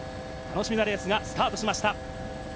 楽しみなレースがスタートしました。